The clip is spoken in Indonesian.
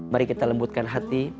mari kita lembutkan hati